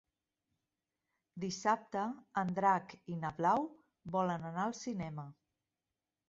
Dissabte en Drac i na Blau volen anar al cinema.